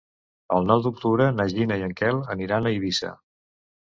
El nou d'octubre na Gina i en Quel aniran a Eivissa.